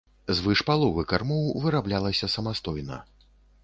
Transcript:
Звыш паловы кармоў выраблялася самастойна.